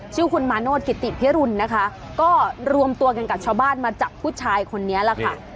ชื่อคุณมาโนธกิติพิรุณนะคะก็รวมตัวกันกับชาวบ้านมาจับผู้ชายคนนี้ล่ะค่ะ